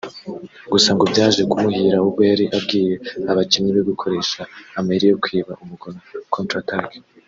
Gusa ngo byaje kumuhira ubwo yari abwiye abakinnyi be gukoresha amayeri yo kwiba umugono (Contre-Attaques)